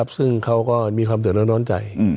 ซึ่งเค้าก็มีความเติบและนอนใจ